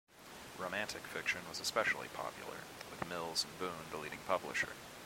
Romantic fiction was especially popular, with Mills and Boon the leading publisher.